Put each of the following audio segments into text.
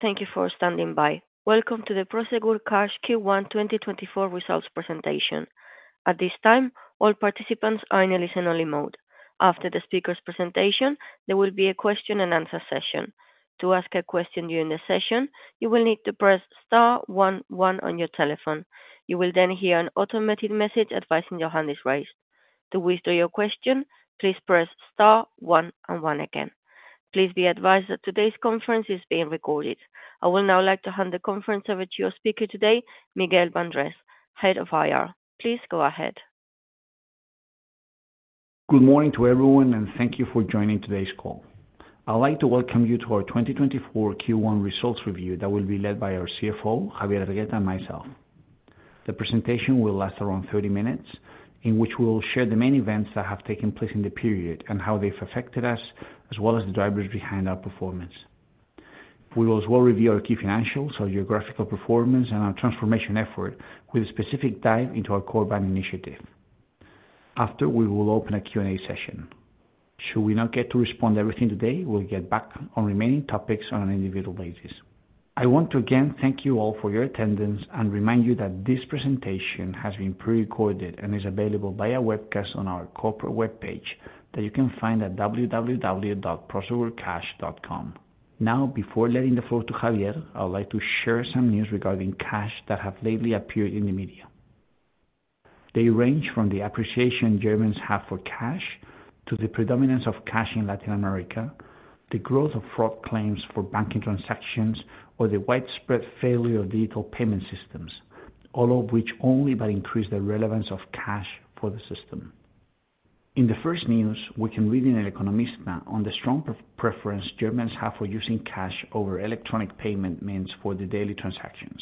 Thank you for standing by. Welcome to the Prosegur Cash Q1 2024 results presentation. At this time, all participants are in a listen-only mode. After the speaker's presentation, there will be a question and answer session. To ask a question during the session, you will need to press star one one on your telephone. You will then hear an automated message advising your hand is raised. To withdraw your question, please press star one and one again. Please be advised that today's conference is being recorded. I would now like to hand the conference over to your speaker today, Miguel Bandrés, Head of IR. Please go ahead. Good morning to everyone, and thank you for joining today's call. I'd like to welcome you to our 2024 Q1 results review that will be led by our CFO, Javier Hergueta, and myself. The presentation will last around 30 minutes, in which we'll share the main events that have taken place in the period and how they've affected us, as well as the drivers behind our performance. We will as well review our key financials, our geographical performance, and our transformation effort with a specific dive into our Corban initiative. After, we will open a Q&A session. Should we not get to respond to everything today, we'll get back on remaining topics on an individual basis. I want to again thank you all for your attendance and remind you that this presentation has been prerecorded and is available via webcast on our corporate webpage that you can find at www.prosegurcash.com. Now, before letting the floor to Javier, I would like to share some news regarding cash that have lately appeared in the media. They range from the appreciation Germans have for cash to the predominance of cash in Latin America, the growth of fraud claims for banking transactions, or the widespread failure of digital payment systems, all of which only but increase the relevance of cash for the system. In the first news, we can read in elEconomista on the strong preference Germans have for using cash over electronic payment means for their daily transactions.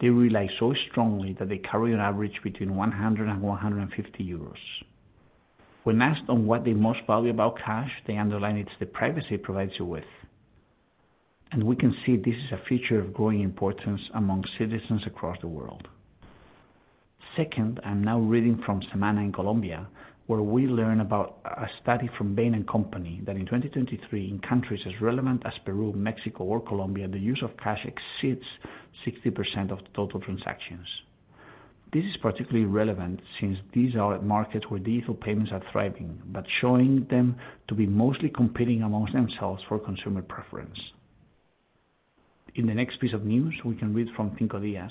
They rely so strongly that they carry on average between 100 and 150 euros. When asked on what they most value about cash, they underline it's the privacy it provides you with, and we can see this is a feature of growing importance among citizens across the world. Second, I'm now reading from Semana in Colombia, where we learn about a study from Bain & Company that in 2023, in countries as relevant as Peru, Mexico or Colombia, the use of cash exceeds 60% of the total transactions. This is particularly relevant since these are markets where digital payments are thriving, but showing them to be mostly competing amongst themselves for consumer preference. In the next piece of news, we can read from Cinco Días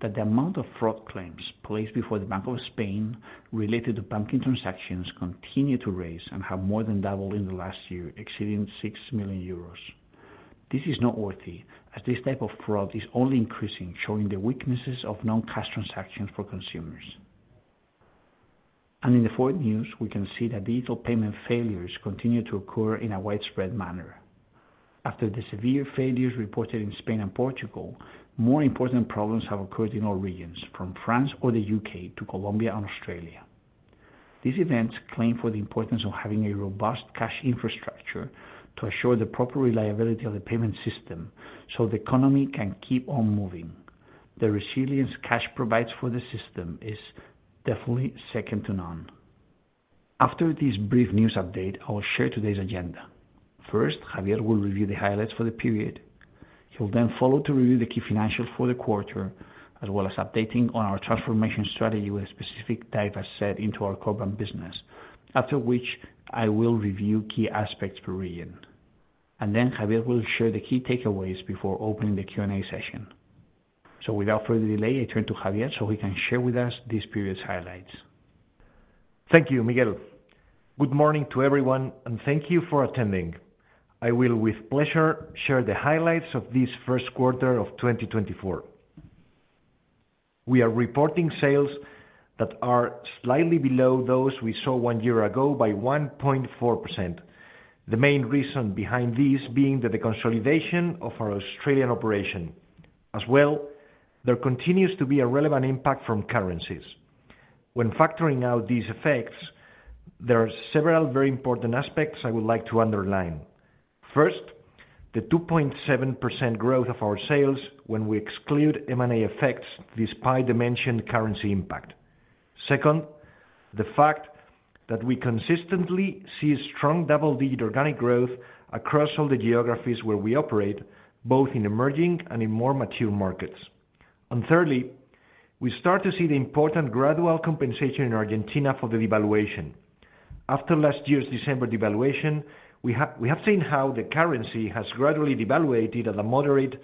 that the amount of fraud claims placed before the Bank of Spain related to banking transactions continue to rise and have more than doubled in the last year, exceeding 6 million euros. This is noteworthy, as this type of fraud is only increasing, showing the weaknesses of non-cash transactions for consumers. In the fourth news, we can see that digital payment failures continue to occur in a widespread manner. After the severe failures reported in Spain and Portugal, more important problems have occurred in all regions, from France or the U.K. to Colombia and Australia. These events call for the importance of having a robust cash infrastructure to assure the proper reliability of the payment system so the economy can keep on moving. The resilience cash provides for the system is definitely second to none. After this brief news update, I will share today's agenda. First, Javier will review the highlights for the period. He'll then follow to review the key financials for the quarter, as well as updating on our transformation strategy with specific dive, as said, into our Corban business, after which I will review key aspects per region. Then Javier will share the key takeaways before opening the Q&A session. Without further delay, I turn to Javier so he can share with us this period's highlights. Thank you, Miguel. Good morning to everyone, and thank you for attending. I will, with pleasure, share the highlights of this first quarter of 2024. We are reporting sales that are slightly below those we saw one year ago by 1.4%. The main reason behind this being the consolidation of our Australian operation. As well, there continues to be a relevant impact from currencies. When factoring out these effects, there are several very important aspects I would like to underline. First, the 2.7% growth of our sales when we exclude M&A effects, despite the mentioned currency impact. Second, the fact that we consistently see strong double-digit organic growth across all the geographies where we operate, both in emerging and in more mature markets. And thirdly, we start to see the important gradual compensation in Argentina for the devaluation. After last year's December devaluation, we have seen how the currency has gradually devalued at a moderate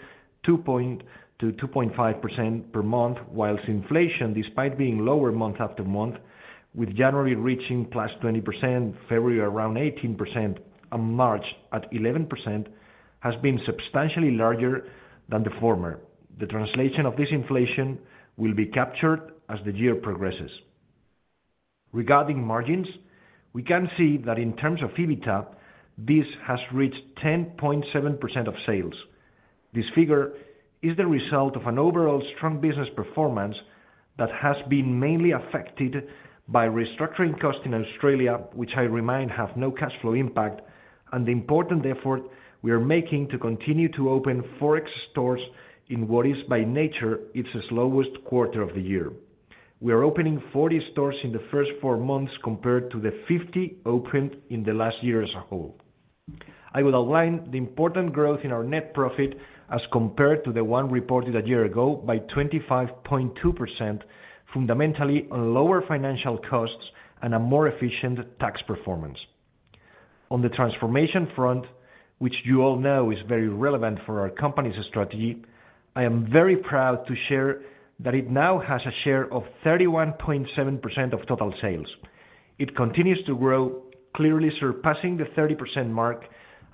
2%-2.5% per month, while inflation, despite being lower month after month, with January reaching +20%, February around 18%, and March at 11%, has been substantially larger than the former. The translation of this inflation will be captured as the year progresses. Regarding margins, we can see that in terms of EBITDA, this has reached 10.7% of sales. This figure is the result of an overall strong business performance that has been mainly affected by restructuring costs in Australia, which I remind, have no cash flow impact, and the important effort we are making to continue to open Forex stores in what is, by nature, its slowest quarter of the year. We are opening 40 stores in the first four months, compared to the 50 opened in the last year as a whole. I will outline the important growth in our net profit, as compared to the one reported a year ago, by 25.2%, fundamentally on lower financial costs and a more efficient tax performance. On the transformation front, which you all know is very relevant for our company's strategy, I am very proud to share that it now has a share of 31.7% of total sales. It continues to grow, clearly surpassing the 30% mark,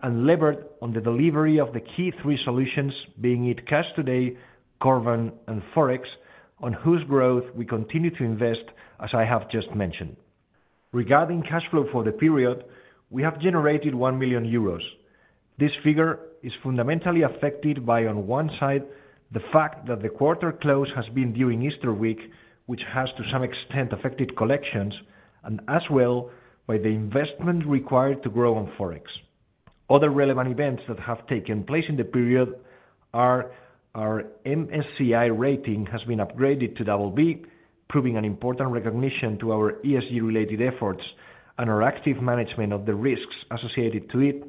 and levered on the delivery of the key three solutions, being it Cash Today, Corban, and Forex, on whose growth we continue to invest, as I have just mentioned. Regarding cash flow for the period, we have generated 1 million euros. This figure is fundamentally affected by, on one side, the fact that the quarter close has been during Easter week, which has, to some extent, affected collections, and as well, by the investment required to grow on Forex. Other relevant events that have taken place in the period are our MSCI rating has been upgraded to BB, proving an important recognition to our ESG-related efforts and our active management of the risks associated to it.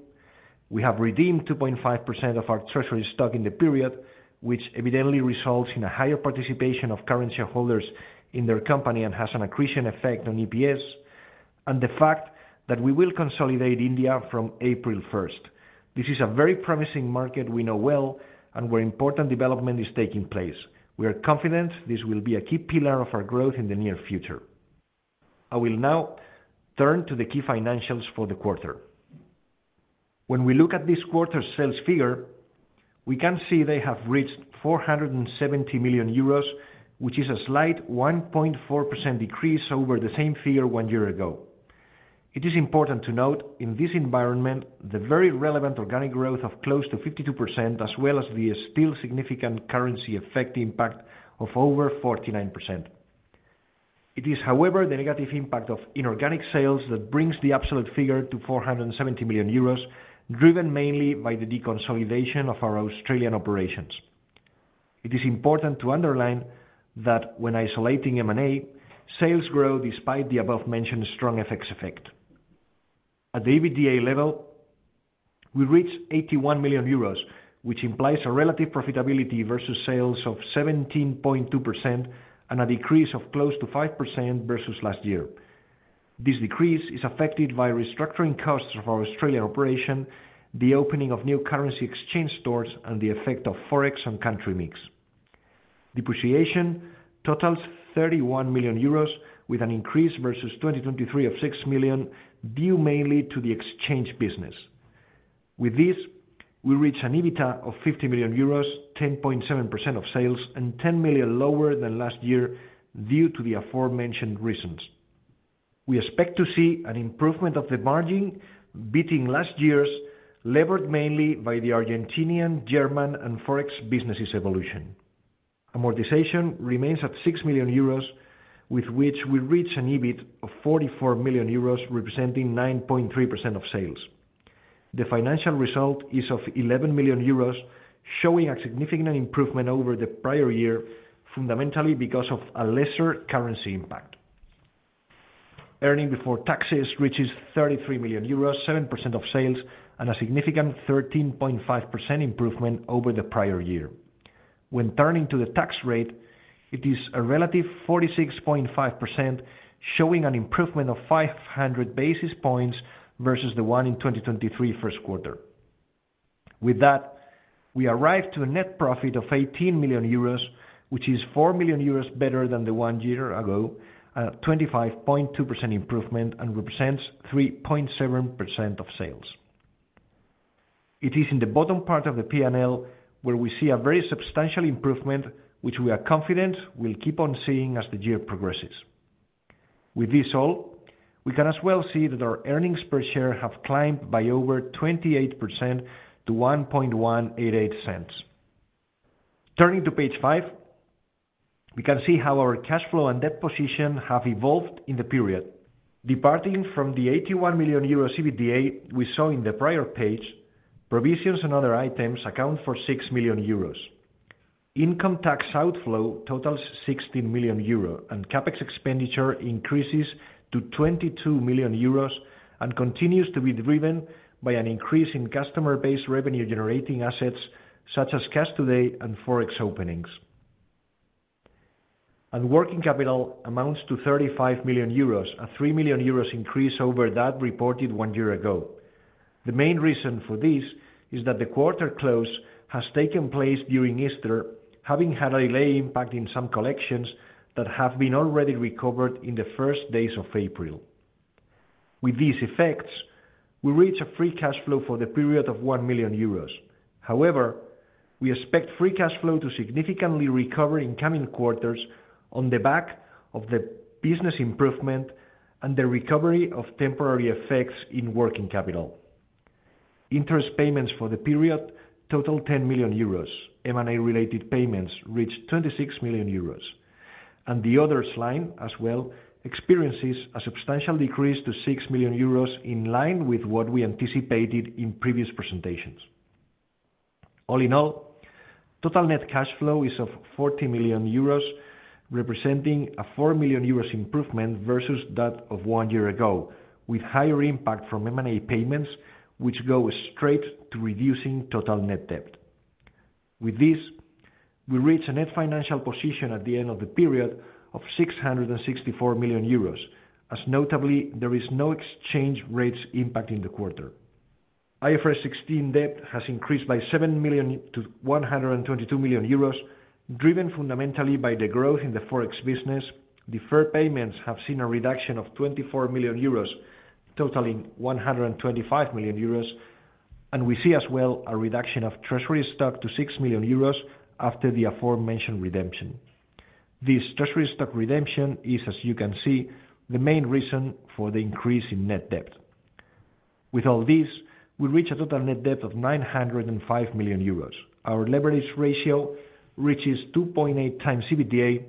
We have redeemed 2.5% of our treasury stock in the period, which evidently results in a higher participation of current shareholders in their company and has an accretion effect on EPS, and the fact that we will consolidate India from April first. This is a very promising market we know well, and where important development is taking place. We are confident this will be a key pillar of our growth in the near future. I will now turn to the key financials for the quarter. When we look at this quarter's sales figure, we can see they have reached 470 million euros, which is a slight 1.4% decrease over the same figure one year ago. It is important to note, in this environment, the very relevant organic growth of close to 52%, as well as the still significant currency effect impact of over 49%. It is, however, the negative impact of inorganic sales that brings the absolute figure to 470 million euros, driven mainly by the deconsolidation of our Australian operations. It is important to underline that when isolating M&A, sales grow, despite the above-mentioned strong FX effect. At the EBITDA level, we reached 81 million euros, which implies a relative profitability versus sales of 17.2% and a decrease of close to 5% versus last year. This decrease is affected by restructuring costs of our Australian operation, the opening of new currency exchange stores, and the effect of Forex and country mix. Depreciation totals 31 million euros, with an increase versus 2023 of 6 million, due mainly to the exchange business. With this, we reach an EBIT of 50 million euros, 10.7% of sales, and 10 million lower than last year, due to the aforementioned reasons. We expect to see an improvement of the margin, beating last year's, levered mainly by the Argentinian, German, and Forex businesses' evolution. Amortization remains at 6 million euros, with which we reach an EBIT of 44 million euros, representing 9.3% of sales. The financial result is of 11 million euros, showing a significant improvement over the prior year, fundamentally because of a lesser currency impact. Earnings before taxes reaches 33 million euros, 7% of sales, and a significant 13.5% improvement over the prior year. When turning to the tax rate, it is a relative 46.5%, showing an improvement of 500 basis points versus the one in 2023 first quarter. With that, we arrive to a net profit of 80 million euros, which is 4 million euros better than the one year ago, a 25.2% improvement, and represents 3.7% of sales. It is in the bottom part of the P&L where we see a very substantial improvement, which we are confident we'll keep on seeing as the year progresses. With this all, we can as well see that our earnings per share have climbed by over 28% to 0.01188. Turning to page five, we can see how our cash flow and debt position have evolved in the period. Departing from the 81 million euro EBITDA we saw in the prior page, provisions and other items account for 6 million euros. Income tax outflow totals 16 million euro, and CapEx expenditure increases to 22 million euros, and continues to be driven by an increase in customer-based revenue generating assets, such as Cash Today and Forex openings. And working capital amounts to 35 million euros, a 3 million euros increase over that reported one year ago. The main reason for this is that the quarter close has taken place during Easter, having had a delay impact in some collections that have been already recovered in the first days of April. With these effects, we reach a free cash flow for the period of 1 million euros. However, we expect free cash flow to significantly recover in coming quarters on the back of the business improvement and the recovery of temporary effects in working capital. Interest payments for the period total 10 million euros. M&A-related payments reach 26 million euros, and the others line as well, experiences a substantial decrease to 6 million euros, in line with what we anticipated in previous presentations. All in all, total net cash flow is of 40 million euros, representing a 4 million euros improvement versus that of one year ago, with higher impact from M&A payments, which go straight to reducing total net debt. With this, we reach a net financial position at the end of the period of 664 million euros, as, notably, there is no exchange rates impact in the quarter. IFRS 16 debt has increased by 7 million to 122 million euros, driven fundamentally by the growth in the Forex business. Deferred payments have seen a reduction of 24 million euros, totaling 125 million euros, and we see as well a reduction of treasury stock to 6 million euros after the aforementioned redemption. This treasury stock redemption is, as you can see, the main reason for the increase in net debt. With all this, we reach a total net debt of 905 million euros. Our leverage ratio reaches 2.8x EBITDA,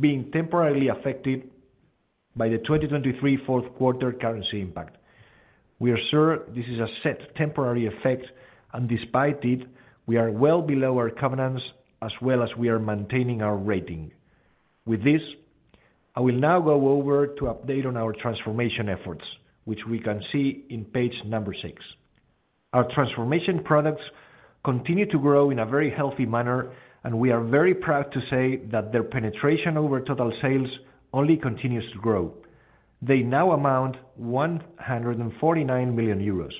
being temporarily affected by the 2023 fourth quarter currency impact. We are sure this is a set temporary effect, and despite it, we are well below our covenants, as well as we are maintaining our rating. With this, I will now go over to update on our transformation efforts, which we can see in page six. Our transformation products continue to grow in a very healthy manner, and we are very proud to say that their penetration over total sales only continues to grow. They now amount 149 million euros.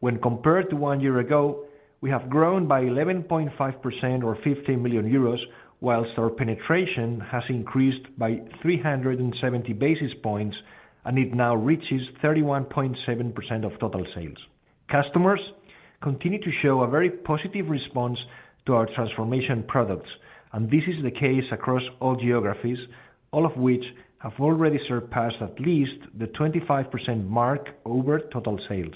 When compared to one year ago, we have grown by 11.5% or 15 million euros, while our penetration has increased by 370 basis points, and it now reaches 31.7% of total sales. Customers continue to show a very positive response to our transformation products, and this is the case across all geographies, all of which have already surpassed at least the 25% mark over total sales.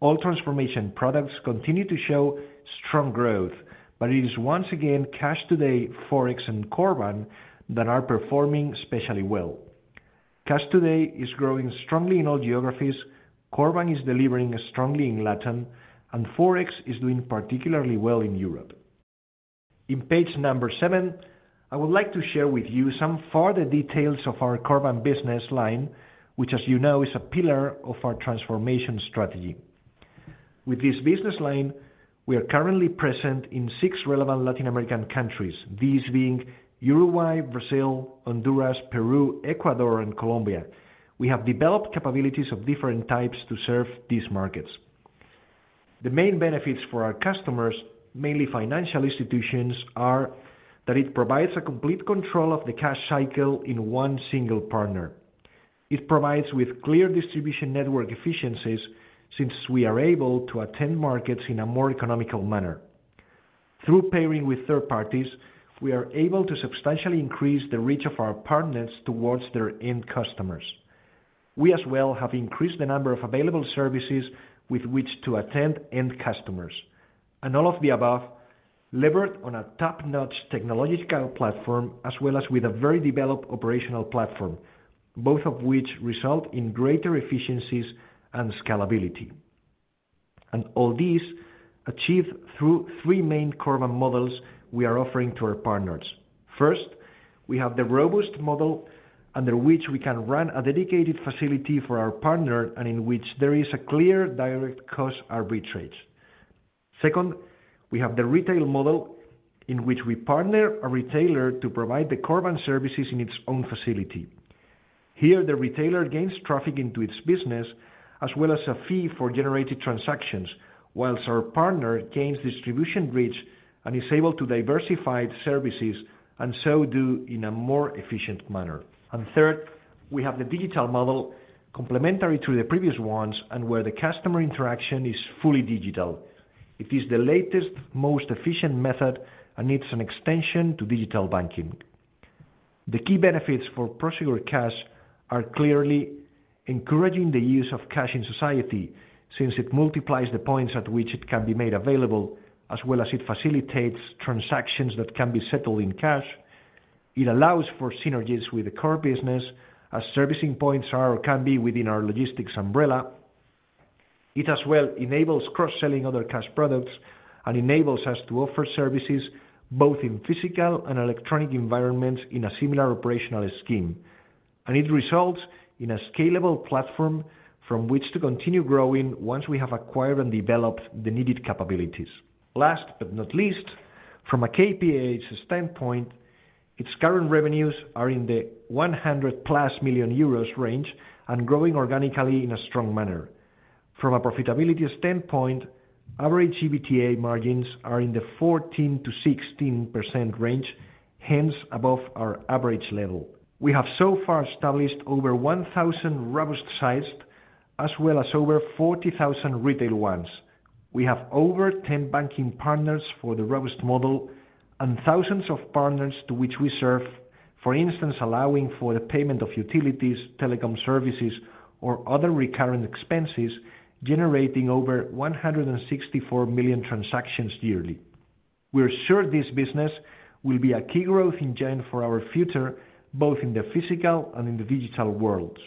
All transformation products continue to show strong growth, but it is once again Cash Today, Forex, and Corban that are performing especially well. Cash Today is growing strongly in all geographies, Corban is delivering strongly in Latin, and Forex is doing particularly well in Europe. In page number seven, I would like to share with you some further details of our Corban business line, which, as you know, is a pillar of our transformation strategy. With this business line, we are currently present in six relevant Latin American countries, these being Uruguay, Brazil, Honduras, Peru, Ecuador, and Colombia. We have developed capabilities of different types to serve these markets. The main benefits for our customers, mainly financial institutions, are that it provides a complete control of the cash cycle in one single partner. It provides with clear distribution network efficiencies, since we are able to attend markets in a more economical manner. Through pairing with third parties, we are able to substantially increase the reach of our partners towards their end customers. We as well have increased the number of available services with which to attend end customers, and all of the above levered on a top-notch technological platform, as well as with a very developed operational platform, both of which result in greater efficiencies and scalability. All these achieved through three main Corban models we are offering to our partners. First, we have the robust model, under which we can run a dedicated facility for our partner and in which there is a clear, direct cost arbitrage. Second, we have the retail model, in which we partner a retailer to provide the Corban services in its own facility. Here, the retailer gains traffic into its business, as well as a fee for generated transactions, while our partner gains distribution reach and is able to diversify the services, and so do in a more efficient manner. Third, we have the digital model, complementary to the previous ones, and where the customer interaction is fully digital. It is the latest, most efficient method, and it's an extension to digital banking. The key benefits for Prosegur Cash are clearly encouraging the use of cash in society, since it multiplies the points at which it can be made available, as well as it facilitates transactions that can be settled in cash. It allows for synergies with the core business, as servicing points are or can be within our logistics umbrella. It as well enables cross-selling other cash products and enables us to offer services both in physical and electronic environments in a similar operational scheme. It results in a scalable platform from which to continue growing once we have acquired and developed the needed capabilities. Last but not least, from a Corban's standpoint, its current revenues are in the 100+ million euros range and growing organically in a strong manner. From a profitability standpoint, average EBITDA margins are in the 14%-16% range, hence above our average level. We have so far established over 1,000 robust sites, as well as over 40,000 retail ones. We have over 10 banking partners for the robust model and thousands of partners to which we serve, for instance, allowing for the payment of utilities, telecom services, or other recurring expenses, generating over 164 million transactions yearly. We are sure this business will be a key growth engine for our future, both in the physical and in the digital worlds.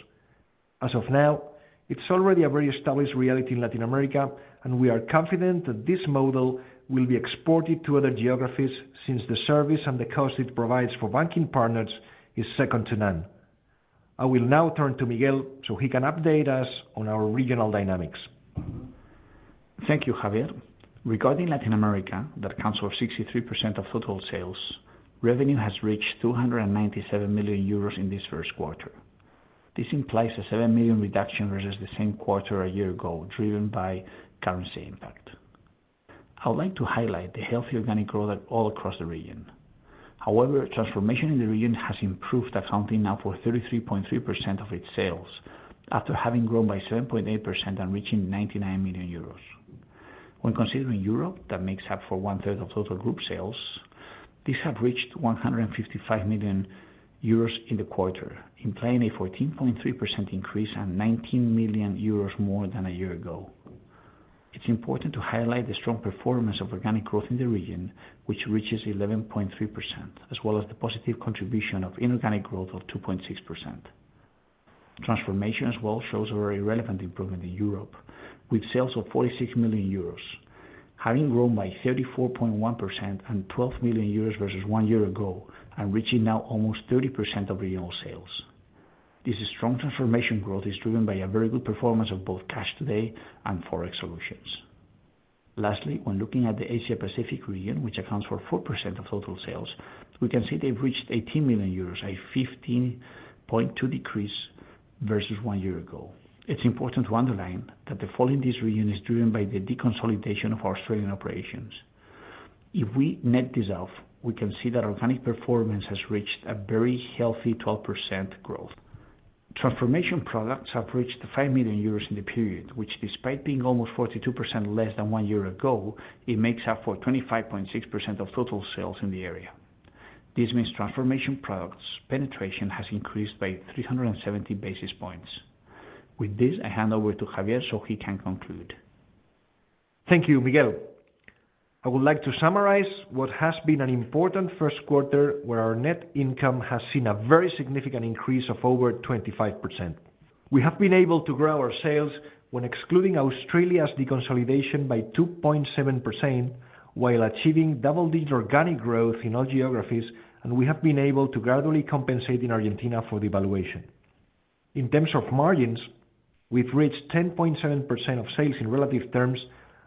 As of now, it's already a very established reality in Latin America, and we are confident that this model will be exported to other geographies, since the service and the cost it provides for banking partners is second to none. I will now turn to Miguel, so he can update us on our regional dynamics. Thank you, Javier. Regarding Latin America, that accounts for 63% of total sales, revenue has reached 297 million euros in this first quarter. This implies a 7 million reduction versus the same quarter a year ago, driven by currency impact. I would like to highlight the healthy organic growth at all across the region. However, transformation in the region has improved, accounting now for 33.3% of its sales, after having grown by 7.8% and reaching 99 million euros. When considering Europe, that makes up for 1/3 of total group sales, these have reached 155 million euros in the quarter, implying a 14.3% increase and 19 million euros more than a year ago. It's important to highlight the strong performance of organic growth in the region, which reaches 11.3%, as well as the positive contribution of inorganic growth of 2.6%. Transformation as well shows a very relevant improvement in Europe, with sales of 46 million euros, having grown by 34.1% and 12 million euros versus one year ago, and reaching now almost 30% of regional sales. This strong transformation growth is driven by a very good performance of both Cash Today and Forex solutions. Lastly, when looking at the Asia Pacific region, which accounts for 4% of total sales, we can see they've reached 80 million euros, a 15.2% decrease versus one year ago. It's important to underline that the fall in this region is driven by the deconsolidation of our Australian operations. If we net this off, we can see that organic performance has reached a very healthy 12% growth. Transformation products have reached 5 million euros in the period, which despite being almost 42% less than one year ago, it makes up for 25.6% of total sales in the area. This means transformation products' penetration has increased by 370 basis points. With this, I hand over to Javier, so he can conclude. Thank you, Miguel. I would like to summarize what has been an important first quarter, where our net income has seen a very significant increase of over 25%. We have been able to grow our sales, when excluding Australia's deconsolidation, by 2.7%, while achieving double-digit organic growth in all geographies, and we have been able to gradually compensate in Argentina for devaluation. In terms of margins, we've reached 10.7% of sales in relative terms,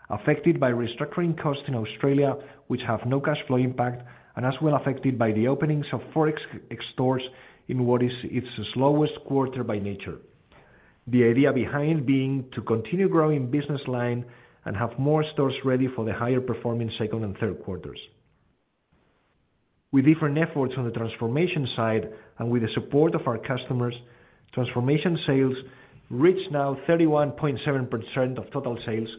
affected by restructuring costs in Australia, which have no cash flow impact, and as well affected by the openings of Forex stores in what is its slowest quarter by nature. The idea behind being to continue growing business line and have more stores ready for the higher performing second and third quarters. With different efforts on the transformation side, and with the support of our customers, transformation sales reach now 31.7% of total sales,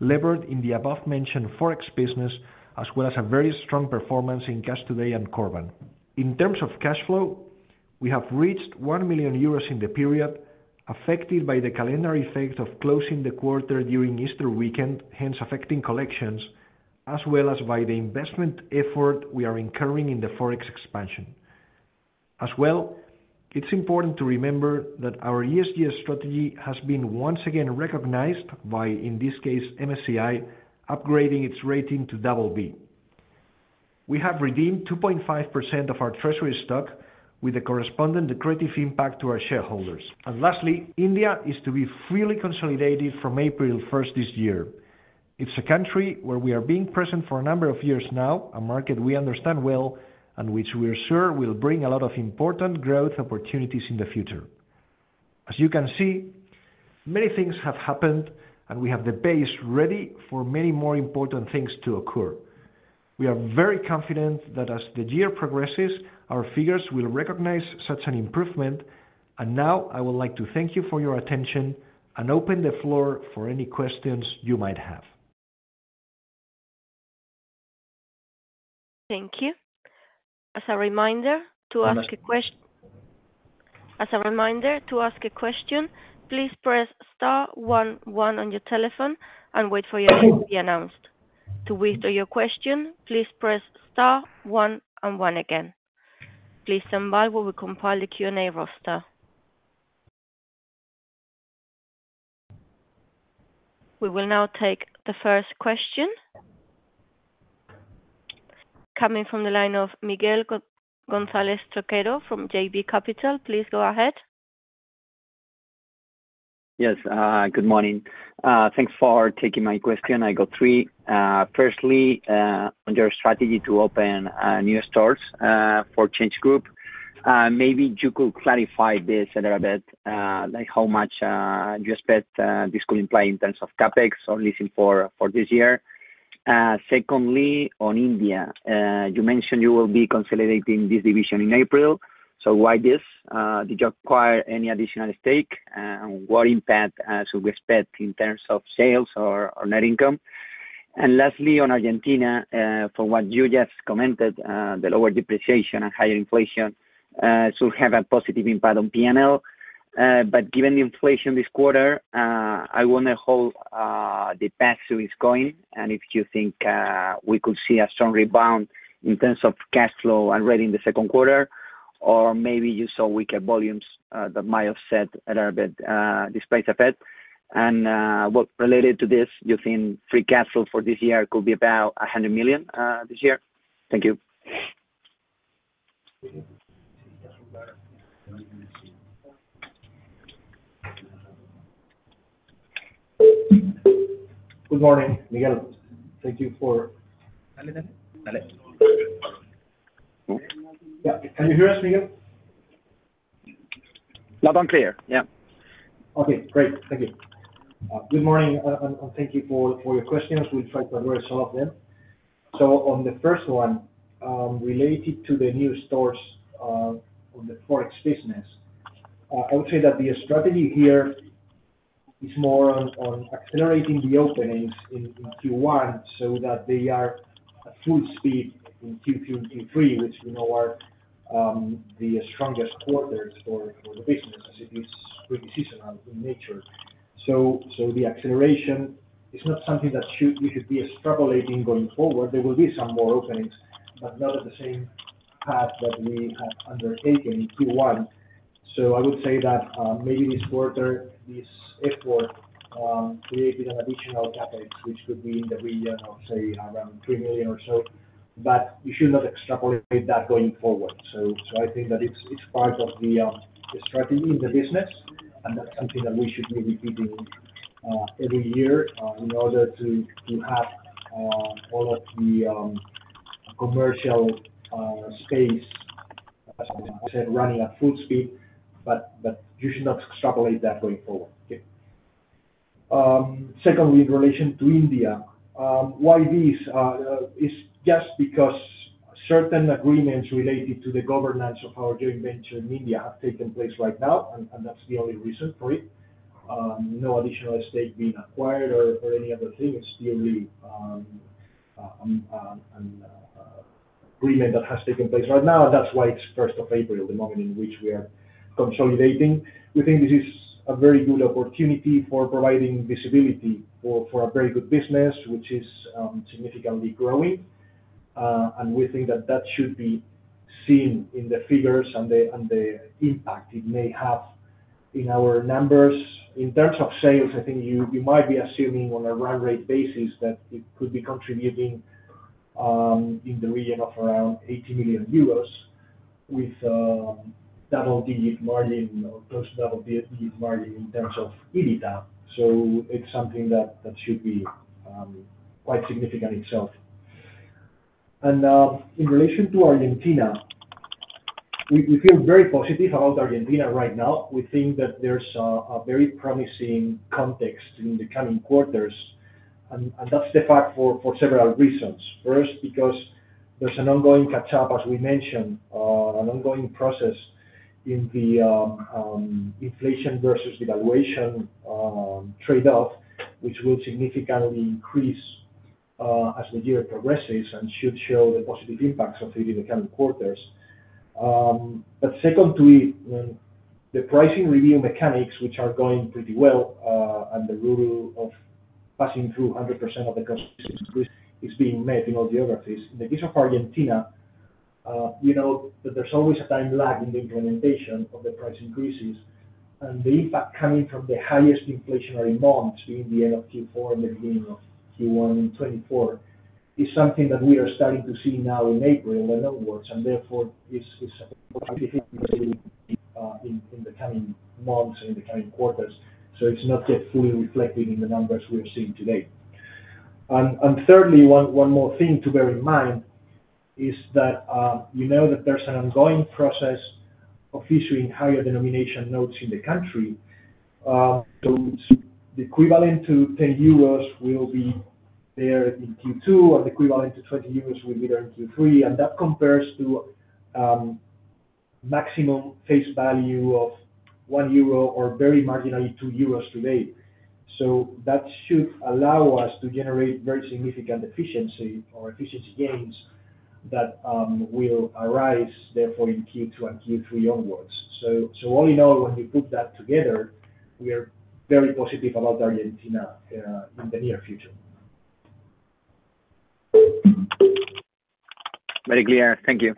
levered in the above mentioned Forex business, as well as a very strong performance in Cash Today and Corban. In terms of cash flow, we have reached 1 million euros in the period, affected by the calendar effect of closing the quarter during Easter weekend, hence affecting collections, as well as by the investment effort we are incurring in the Forex expansion. As well, it's important to remember that our ESG strategy has been once again recognized by, in this case, MSCI, upgrading its rating to BB. We have redeemed 2.5% of our treasury stock with the corresponding accretive impact to our shareholders. And lastly, India is to be fully consolidated from April first this year. It's a country where we are being present for a number of years now, a market we understand well, and which we are sure will bring a lot of important growth opportunities in the future. As you can see, many things have happened, and we have the base ready for many more important things to occur. We are very confident that as the year progresses, our figures will recognize such an improvement. And now, I would like to thank you for your attention and open the floor for any questions you might have. Thank you. As a reminder, to ask a question, please press star one one on your telephone and wait for your name to be announced. To withdraw your question, please press star one and one again. Please stand by while we compile the Q&A roster. We will now take the first question. Coming from the line of Miguel González Toquero from JB Capital, please go ahead. Yes, good morning. Thanks for taking my question. I got three. Firstly, on your strategy to open new stores for ChangeGroup, maybe you could clarify this a little bit, like how much you expect this could imply in terms of CapEx or leasing for this year? Secondly, on India, you mentioned you will be consolidating this division in April, so why this? Did you acquire any additional stake? And what impact should we expect in terms of sales or net income? And lastly, on Argentina, from what you just commented, the lower depreciation and higher inflation should have a positive impact on PNL. But given the inflation this quarter, I wanna hold the path so it's going, and if you think we could see a strong rebound in terms of cash flow already in the second quarter? Or maybe you saw weaker volumes that might have set a little bit despite the Fed. And well, related to this, you think free cash flow for this year could be about 100 million this year? Thank you. Good morning, Miguel. Thank you for- Yeah. Can you hear us, Miguel? Loud and clear. Yeah. Okay, great. Thank you. Good morning, and thank you for your questions. We'll try to address all of them. So on the first one, related to the new stores on the Forex business, I would say that the strategy here is more on accelerating the openings in Q1, so that they are at full speed in Q2 and Q3, which we know are the strongest quarters for the business as it is pretty seasonal in nature. So the acceleration is not something we should be extrapolating going forward. There will be some more openings, but not at the same path that we have undertaken in Q1. So I would say that maybe this quarter, this effort created an additional CapEx, which could be in the region of, say, around 3 million or so. But you should not extrapolate that going forward. So I think that it's part of the strategy in the business, and that's something that we should be repeating every year in order to have all of the commercial space, as I said, running at full speed. But you should not extrapolate that going forward. Okay. Secondly, in relation to India, why this? It's just because certain agreements related to the governance of our joint venture in India have taken place right now, and that's the only reason for it. No additional estate being acquired or any other thing. It's purely an agreement that has taken place right now, and that's why it's first of April, the moment in which we are consolidating. We think this is a very good opportunity for providing visibility for a very good business, which is significantly growing. And we think that that should be seen in the figures and the impact it may have in our numbers. In terms of sales, I think you might be assuming on a run rate basis that it could be contributing in the region of around 80 million euros with double digit margin or close to double digit margin in terms of EBITDA. So it's something that should be quite significant itself. And in relation to Argentina, we feel very positive about Argentina right now. We think that there's a very promising context in the coming quarters, and that's the fact for several reasons. First, because there's an ongoing catch-up, as we mentioned, an ongoing process in the inflation versus devaluation trade-off, which will significantly increase as the year progresses and should show the positive impacts of it in the coming quarters. But secondly, the pricing review mechanics, which are going pretty well, and the rule of passing through 100% of the cost increase is being made in all geographies. In the case of Argentina, we know that there's always a time lag in the implementation of the price increases, and the impact coming from the highest inflationary months, being the end of Q4 and the beginning of Q1 in 2024, is something that we are starting to see now in April and onwards, and therefore, this is in the coming months and in the coming quarters. So it's not yet fully reflected in the numbers we are seeing today. And, and thirdly, one, one more thing to bear in mind is that, we know that there's an ongoing process of issuing higher denomination notes in the country. So the equivalent to 10 euros will be there in Q2, and the equivalent to 20 euros will be there in Q3, and that compares to, maximum face value of 1 euro or very marginally, 2 euros today. So that should allow us to generate very significant efficiency or efficiency gains that, will arise therefore, in Q2 and Q3 onwards. So, so all in all, when we put that together, we are very positive about Argentina, in the near future. Very clear. Thank you.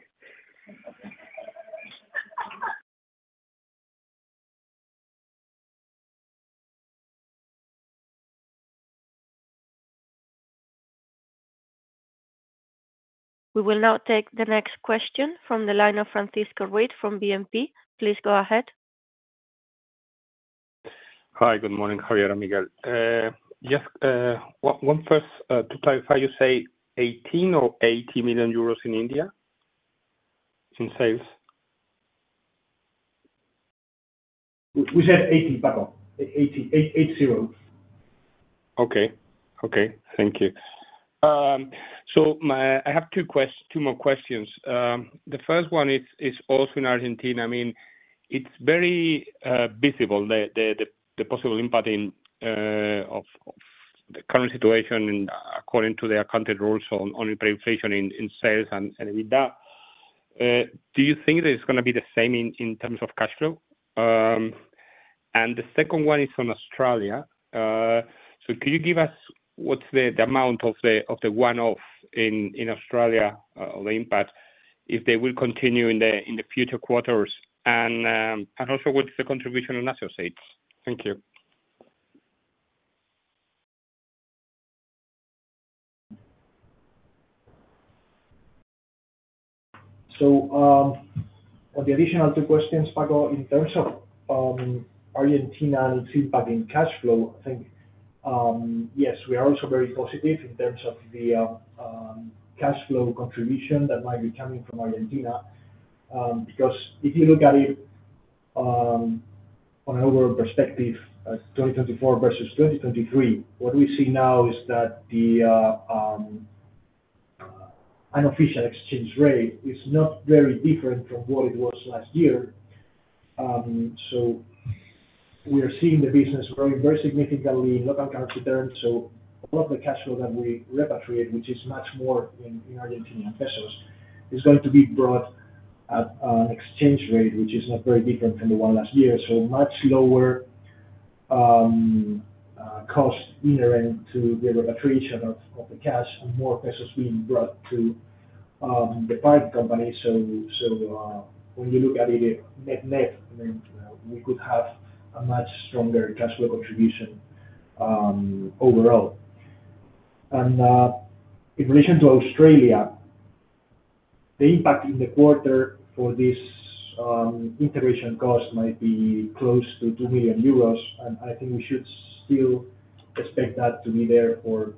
We will now take the next question from the line of Francisco Ruiz from BNP. Please go ahead. Hi, good morning, Javier and Miguel. Just one first to clarify, you say 18 million or 80 million euros in India, in sales? We said 80 million, pardon. 80 million. Okay. Okay, thank you. So I have two-- two more questions. The first one is also in Argentina. I mean, it's very visible, the possible impact of the current situation and according to the accounted rules on inflation in sales and with that. Do you think that it's gonna be the same in terms of cash flow? And the second one is from Australia. So could you give us what's the amount of the one-off in Australia, the impact, if they will continue in the future quarters? And also what is the contribution in associates? Thank you. So, on the additional two questions, Paco, in terms of Argentina and feedback in cash flow, I think yes, we are also very positive in terms of the cash flow contribution that might be coming from Argentina. Because if you look at it, on an overall perspective, as 2024 versus 2023, what we see now is that the unofficial exchange rate is not very different from what it was last year. So we are seeing the business growing very significantly in local currency terms, so a lot of the cash flow that we repatriate, which is much more in Argentine pesos, is going to be brought at an exchange rate, which is not very different from the one last year. So much lower cost inherent to the repatriation of the cash and more pesos being brought to the parent company. So, when you look at it net-net, then we could have a much stronger cash flow contribution overall. And, in relation to Australia, the impact in the quarter for this integration cost might be close to 2 million euros, and I think we should still expect that to be there for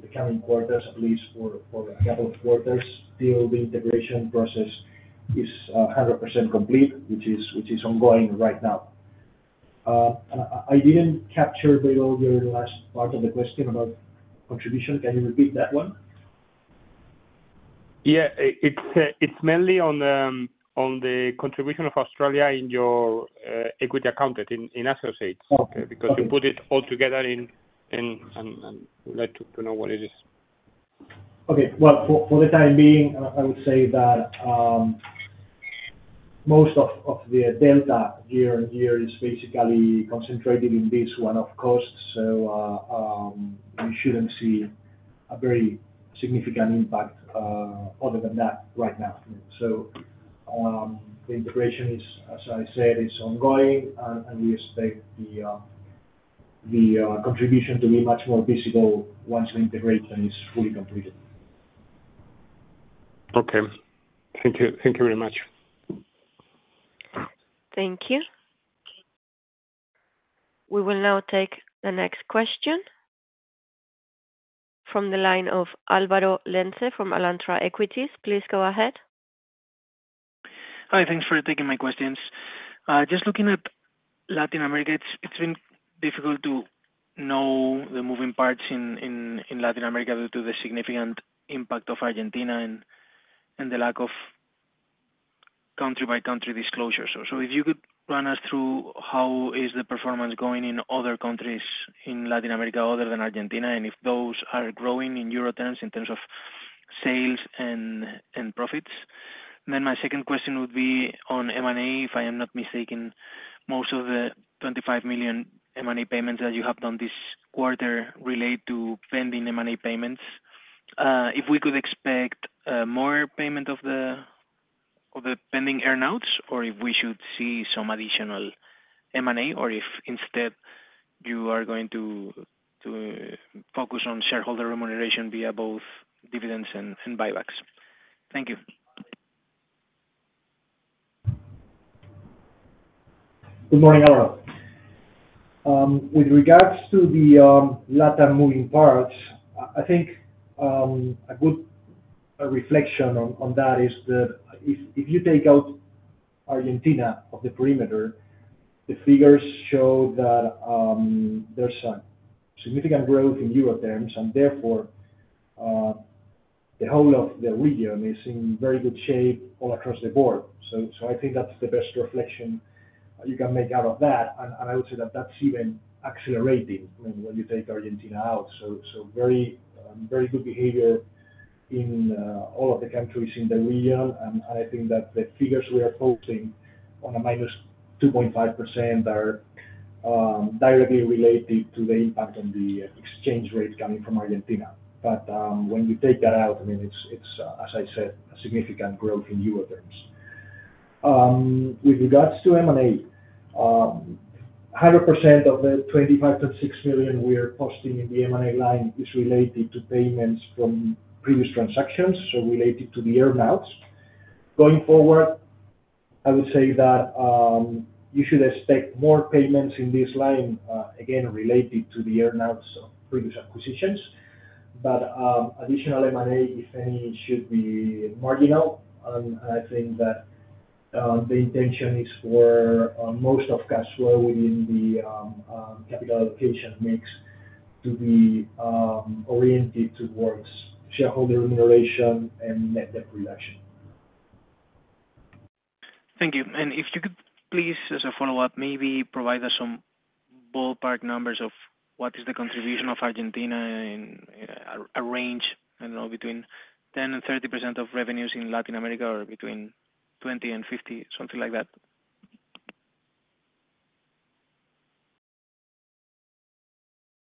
the coming quarters, at least for a couple of quarters, till the integration process is 100% complete, which is ongoing right now. I didn't capture very well the last part of the question about contribution. Can you repeat that one? Yeah. It's mainly on the contribution of Australia in your Equity Accounted in associates. Okay. Because you put it all together in and we'd like to know what it is. Okay. Well, for the time being, I would say that most of the delta year-over-year is basically concentrated in this one-off cost. So, we shouldn't see a very significant impact, other than that right now. So, the integration is, as I said, ongoing. And we expect the contribution to be much more visible once the integration is fully completed. Okay. Thank you. Thank you very much. Thank you. We will now take the next question from the line of Álvaro Lenze from Alantra Equities. Please go ahead. Hi, thanks for taking my questions. Just looking at Latin America, it's been difficult to know the moving parts in Latin America due to the significant impact of Argentina and the lack of country by country disclosures. So if you could run us through how is the performance going in other countries in Latin America, other than Argentina, and if those are growing in euro terms, in terms of sales and profits? Then my second question would be on M&A, if I am not mistaken, most of the 25 million M&A payments that you have done this quarter relate to pending M&A payments. If we could expect more payment of the pending earn-outs, or if we should see some additional M&A, or if instead you are going to focus on shareholder remuneration via both dividends and buybacks. Thank you. Good morning, Álvaro. With regards to the LatAm moving parts, I think a good reflection on that is that if you take out Argentina of the perimeter, the figures show that there's a significant growth in euro terms, and therefore the whole of the region is in very good shape all across the board. So I think that's the best reflection you can make out of that. And I would say that that's even accelerating when you take Argentina out. So very good behavior in all of the countries in the region. And I think that the figures we are posting on a -2.5% are directly related to the impact on the exchange rate coming from Argentina. But, when you take that out, I mean, it's, it's, as I said, a significant growth in euro terms. With regards to M&A, 100% of the 25.6 million we are posting in the M&A line is related to payments from previous transactions, so related to the earn-outs. Going forward, I would say that, you should expect more payments in this line, again, related to the earn-outs of previous acquisitions. But, additional M&A, if any, should be marginal. I think that, the intention is for, most of cash flow within the, capital allocation mix to be, oriented towards shareholder remuneration and net debt reduction. Thank you. And if you could please, as a follow-up, maybe provide us some ballpark numbers of what is the contribution of Argentina in a range, I don't know, between 10% and 30% of revenues in Latin America, or between 20% and 50%, something like that?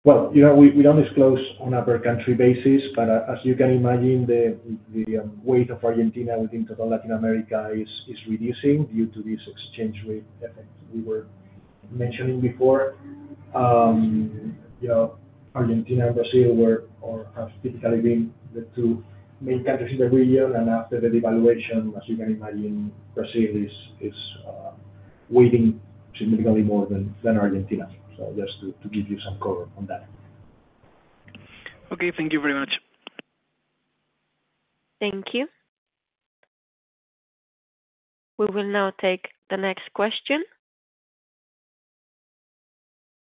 Well, you know, we don't disclose on a per country basis, but as you can imagine, the weight of Argentina within total Latin America is reducing due to this exchange rate effect we were mentioning before. You know, Argentina and Brazil were or have typically been the two main countries in the region, and after the devaluation, as you can imagine, Brazil is weighing significantly more than Argentina. So just to give you some color on that. Okay, thank you very much. Thank you. We will now take the next question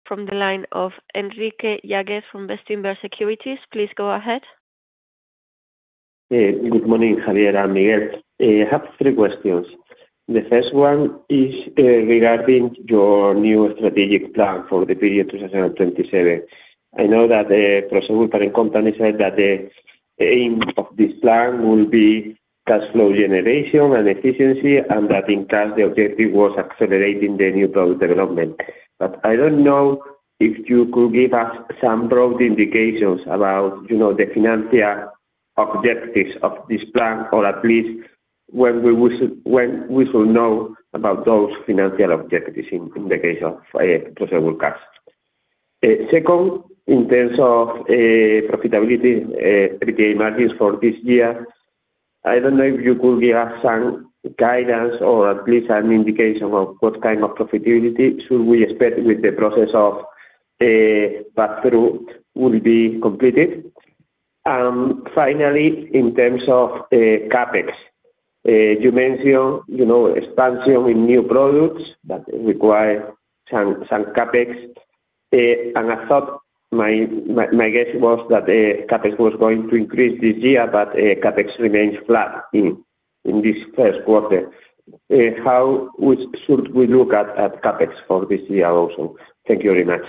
from the line of Enrique Yaguez from Bestinver Securities. Please go ahead. Good morning, Javier and Miguel. I have three questions. The first one is regarding your new strategic plan for the period 2027. I know that the Prosegur parent company said that the aim of this plan will be cash flow generation and efficiency, and that in turn, the objective was accelerating the new product development. But I don't know if you could give us some broad indications about, you know, the financial objectives of this plan, or at least when we shall know about those financial objectives in the case of Prosegur Cash. Second, in terms of profitability, EBITDA margins for this year, I don't know if you could give us some guidance or at least an indication of what kind of profitability should we expect with the process of pass-through will be completed. And finally, in terms of CapEx, you mentioned, you know, expansion in new products that require some, some CapEx. And I thought my, my, my guess was that CapEx was going to increase this year, but CapEx remains flat in this first quarter. How would—should we look at CapEx for this year also? Thank you very much.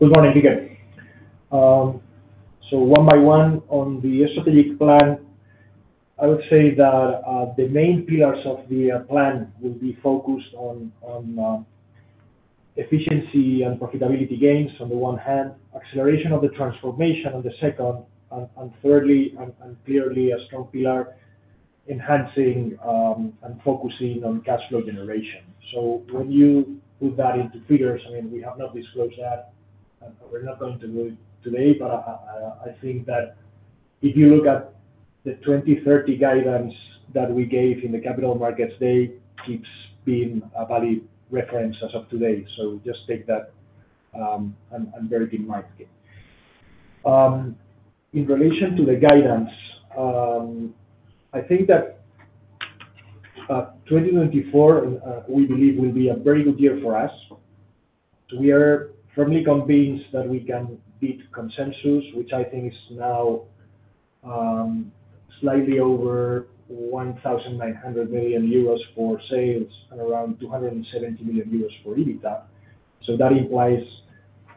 Good morning, again. So one by one on the strategic plan, I would say that the main pillars of the plan will be focused on efficiency and profitability gains, on the one hand, acceleration of the transformation on the second, and thirdly, and clearly a strong pillar, enhancing and focusing on cash flow generation. So when you put that into figures, I mean, we have not disclosed that, and we're not going to do it today. But I think that if you look at the 2030 guidance that we gave in the Capital Markets Day, it keeps being a valid reference as of today. So just take that and keep very in mind. In relation to the guidance, I think that 2024 we believe will be a very good year for us. We are firmly convinced that we can beat consensus, which I think is now slightly over 1,900 million euros for sales and around 270 million euros for EBITDA. So that implies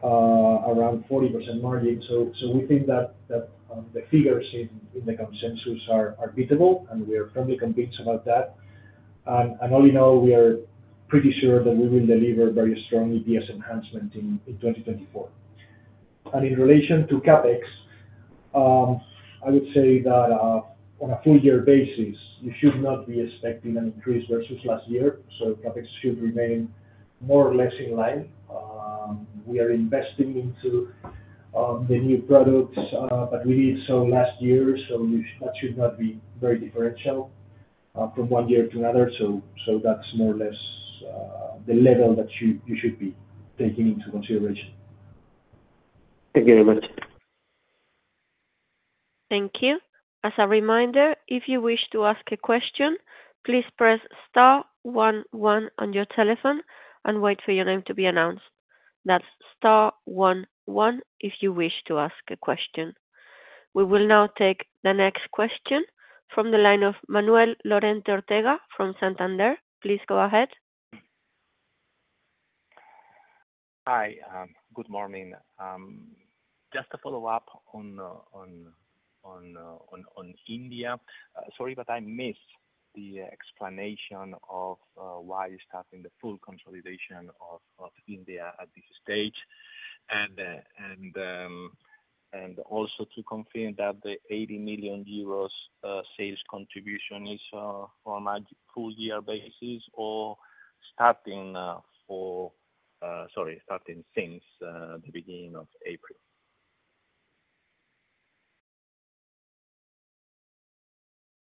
around 40% margin. So we think that the figures in the consensus are beatable, and we are firmly convinced about that. And all in all, we are pretty sure that we will deliver very strong EPS enhancement in 2024. And in relation to CapEx, I would say that on a full year basis, you should not be expecting an increase versus last year, so CapEx should remain more or less in line. We are investing into the new products, but we did so last year, so that should not be very differential from one year to another. So, that's more or less the level that you should be taking into consideration. Thank you very much. Thank you. As a reminder, if you wish to ask a question, please press star one one on your telephone and wait for your name to be announced. That's star one one, if you wish to ask a question. We will now take the next question from the line of Manuel Lorente Ortega from Santander. Please go ahead. Hi, good morning. Just to follow up on India. Sorry, but I missed the explanation of why you're starting the full consolidation of India at this stage. And also to confirm that the 80 million euros sales contribution is on a full year basis or starting for... Sorry, starting since the beginning of April.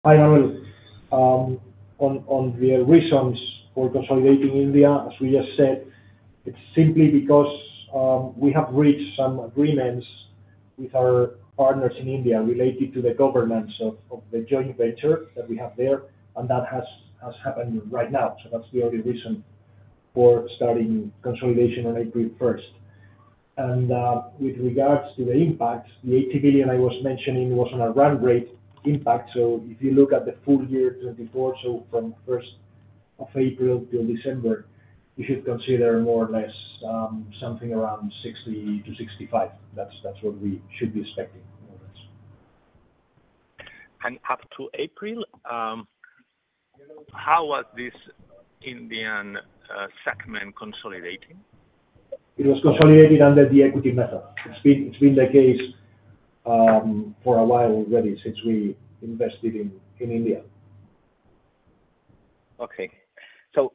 Hi, Manuel. On the reasons for consolidating India, as we just said, it's simply because we have reached some agreements with our partners in India related to the governance of the joint venture that we have there, and that has happened right now. So that's the only reason for starting consolidation on April 1st. And with regards to the impacts, the 80 billion I was mentioning was on a run rate impact. So if you look at the full year 2024, so from 1st of April till December, you should consider more or less something around 60 million-65 million. That's what we should be expecting, more or less. Up to April, how was this Indian segment consolidating? It was consolidated under the equity method. It's been the case for a while already, since we invested in India. Okay. So,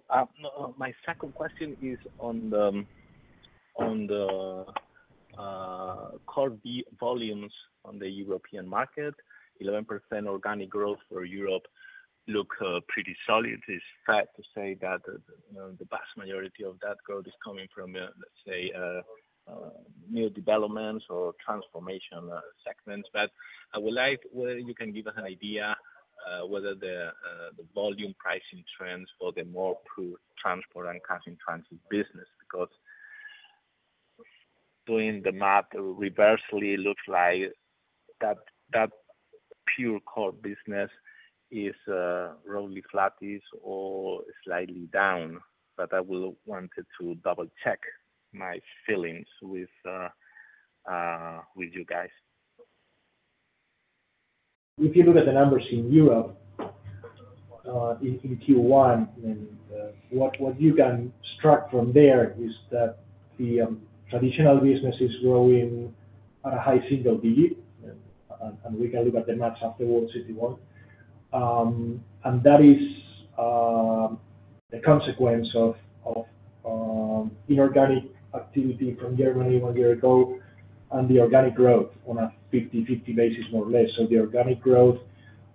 my second question is on the core business volumes on the European market. 11% organic growth for Europe looks pretty solid. It's fair to say that, you know, the vast majority of that growth is coming from, let's say, new developments or transformation segments. But I would like to know whether you can give us an idea of whether the volume pricing trends for the armored transport and cash-in-transit business, because doing the math reversely, looks like that pure core business is roughly flattish or slightly down. But I wanted to double-check my feelings with you guys. If you look at the numbers in Europe, in Q1, and what you can strike from there is that the traditional business is growing at a high single digit. And we can look at the math afterwards, if you want. And that is a consequence of inorganic activity from Germany one year ago, and the organic growth on a 50/50 basis, more or less. So the organic growth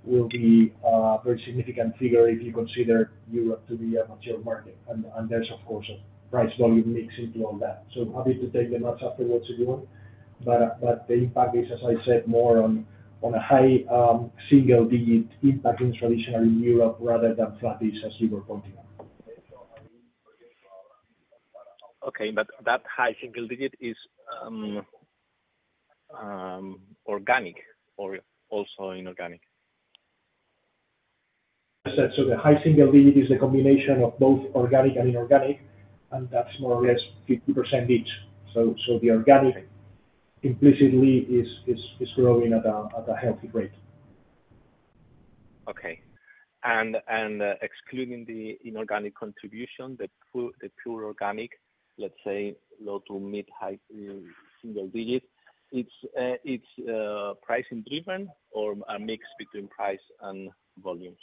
will be a very significant figure if you consider Europe to be a mature market. And there's of course a price volume mix into all that. So happy to take the math afterwards, if you want. But the impact is, as I said, more on a high single digit impact in traditional Europe, rather than flattish as you were pointing out. Okay, but that high single digit is organic or also inorganic? I said, so the high single digit is a combination of both organic and inorganic, and that's more or less 50% each. So the organic implicitly is growing at a healthy rate. Okay. And excluding the inorganic contribution, the pure organic, let's say, low to mid-high single digit, it's pricing driven or a mix between price and volumes?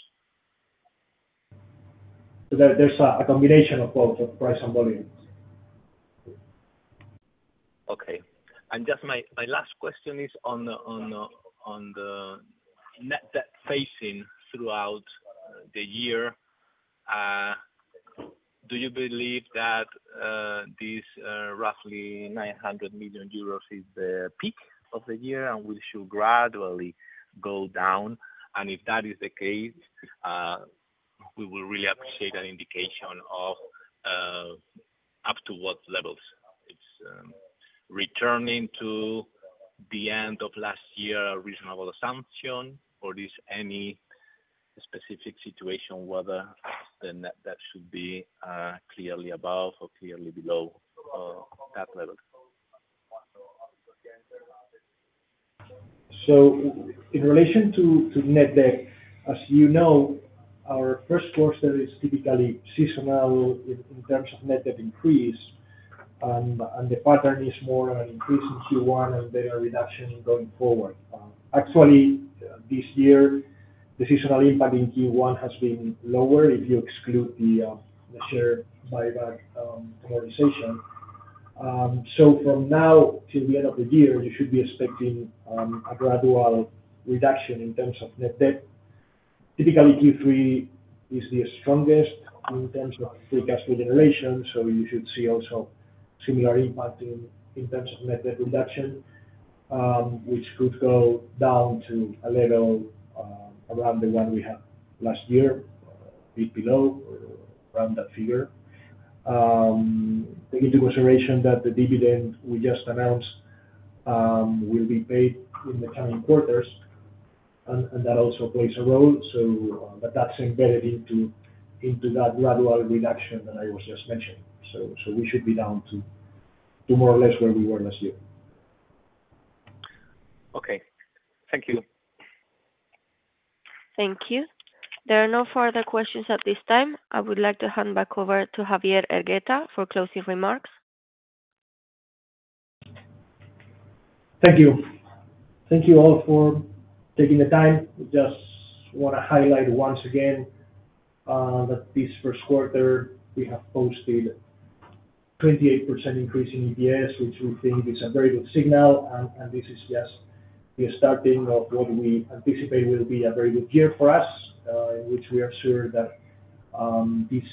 There's a combination of both the price and volumes. Okay. And just my last question is on the net debt facing throughout the year. Do you believe that this roughly 900 million euros is the peak of the year and we should gradually go down? And if that is the case, we will really appreciate an indication of up to what levels. Is it returning to the end of last year a reasonable assumption, or is there any specific situation whether the net debt should be clearly above or clearly below that level? So in relation to net debt, as you know, our first quarter is typically seasonal in terms of net debt increase, and the pattern is more an increase in Q1 and then a reduction going forward. Actually, this year, the seasonal impact in Q1 has been lower, if you exclude the share buyback organization. So from now till the end of the year, you should be expecting a gradual reduction in terms of net debt. Typically, Q3 is the strongest in terms of Free Cash Flow generation, so you should see also similar impact in terms of net debt reduction, which could go down to a level around the one we had last year, bit below, around that figure. Taking into consideration that the dividend we just announced will be paid in the coming quarters, and that also plays a role. So, but that's embedded into that gradual reduction that I was just mentioning. So we should be down to more or less where we were last year. Okay. Thank you. Thank you. There are no further questions at this time. I would like to hand back over to Javier Hergueta for closing remarks. Thank you. Thank you all for taking the time. Just wanna highlight once again that this first quarter we have posted 28% increase in EPS, which we think is a very good signal, and this is just the starting of what we anticipate will be a very good year for us, in which we are sure that this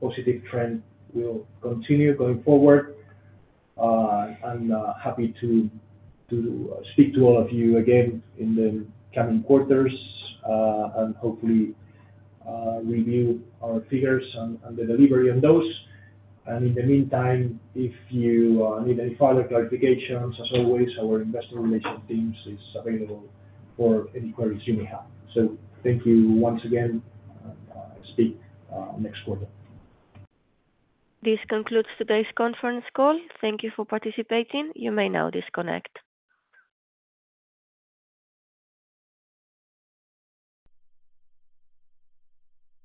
positive trend will continue going forward. I'm happy to speak to all of you again in the coming quarters and hopefully review our figures and the delivery on those. And in the meantime, if you need any further clarifications, as always, our investor relations teams is available for any queries you may have. So thank you once again, speak next quarter. This concludes today's conference call. Thank you for participating. You may now disconnect.